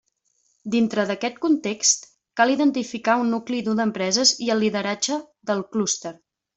Dintre d'aquest context, cal identificar un nucli dur d'empreses i el lideratge del clúster.